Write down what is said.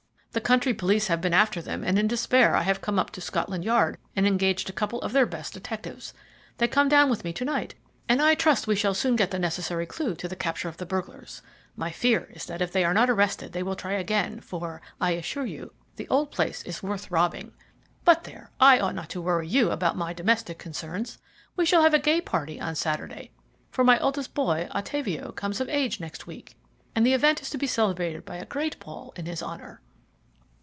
The country police have been after them, and in despair I have come up to Scotland Yard and engaged a couple of their best detectives. They come down with me to night, and I trust we shall soon get the necessary clue to the capture of the burglars. My fear is that if they are not arrested they will try again, for, I assure you, the old place is worth robbing. But, there, I ought not to worry you about my domestic concerns. We shall have a gay party on Saturday, for my eldest boy Ottavio comes of age next week, and the event is to be celebrated by a great ball in his honour."